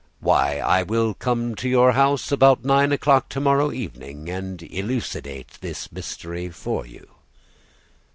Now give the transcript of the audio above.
"Why, I will come to your house about nine o'clock to morrow evening, and elucidate this mystery for you."